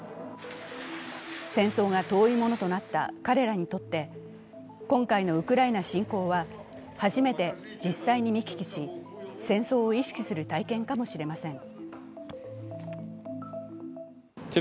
戦争が遠いものとなった彼らにとって、今回のウクライナ侵攻は初めて実際に見聞きし、戦争を意識する体験かもしれません。